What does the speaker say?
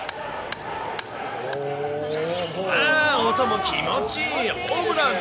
音も気持ちいいホームラン。